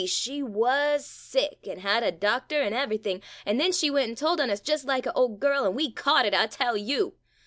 — she wuz sick an' had a doctor, an' everything, an' then she went an' told on us, just like a old girl, and we caught it, I tell you!